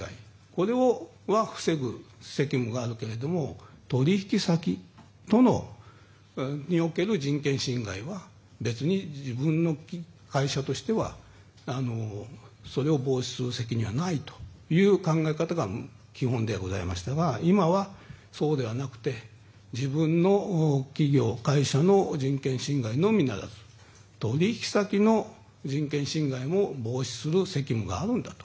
これは防ぐ責任があるけども取引先における人権侵害は別に自分の会社としてはそれを防止する責任はないという考え方が基本ではございましたが今は、そうではなくて自分の企業、会社の人権侵害のみならず取引先の人権侵害も防止する責務があるんだと。